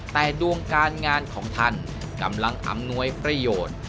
แต่ดวงการงานของท่านกำลังอำนวยประโยชน์